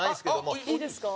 いいですか？